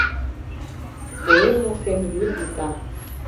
Куэр воктен йӱр вита.